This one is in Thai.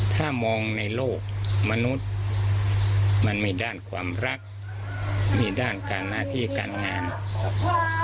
ถ้ามองในโลกมนุษย์มันมีด้านความรักมีด้านการหน้าที่การงานครับ